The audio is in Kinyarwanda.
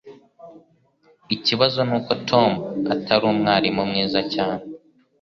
Ikibazo nuko Tom atari umwarimu mwiza cyane.